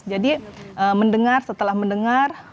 jadi mendengar setelah mendengar